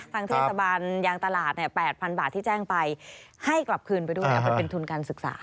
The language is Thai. ทางเทศบาลยางตลาด๘๐๐๐บาทที่แจ้งไปให้กลับคืนไปด้วยเอาไปเป็นทุนการศึกษา